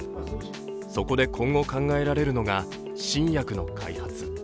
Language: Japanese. そこで今後考えられるのが新薬の開発。